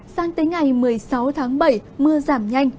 sang tới ngày một mươi sáu tháng bảy mưa giảm nhanh